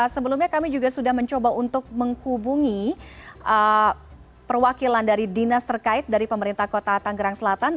sebelumnya kami juga sudah mencoba untuk menghubungi perwakilan dari dinas terkait dari pemerintah kota tanggerang selatan